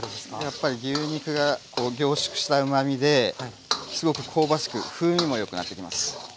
やっぱり牛肉が凝縮したうまみですごく香ばしく風味もよくなってきます。